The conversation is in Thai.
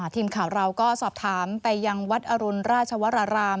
ทีมข่าวเราก็สอบถามไปยังวัดอรุณราชวรราราม